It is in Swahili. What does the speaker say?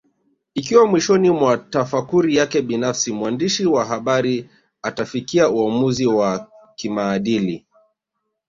Ikiwa mwishoni mwa tafakuri yake binafsi mwandishi wa habari atafikia uamuzi wa kimaadili